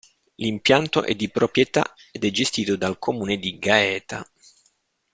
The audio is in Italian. L'impianto è di proprietà ed è gestito dal Comune di Gaeta.